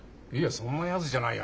そんなやつじゃないよ